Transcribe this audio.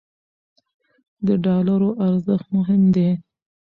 د ډالرو ارزښت مهم دی.